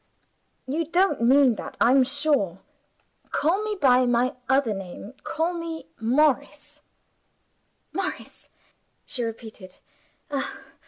You don't mean that, I'm sure. Call me by my other name call me 'Morris.'" "Morris?" she repeated.